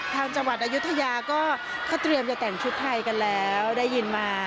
จังหวัดอายุทยาก็เขาเตรียมจะแต่งชุดไทยกันแล้วได้ยินมา